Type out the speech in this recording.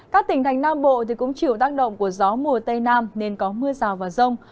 các tỉnh thành nam bộ cũng chịu tác động của gió mùa tây nam nên có mưa rào và rông